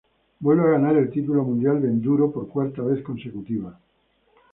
Vuelve a ganar el título mundial de enduro, por cuarta vez consecutiva.